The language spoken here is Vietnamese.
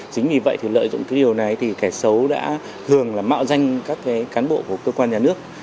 chính vì vậy thì lợi dụng cái điều này thì kẻ xấu đã hường là mạo danh các cái cán bộ của cơ quan nhà nước